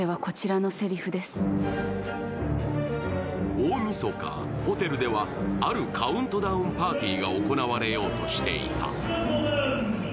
大みそか、ホテルではあるカウントダウン・パーティーが行われようとしていた。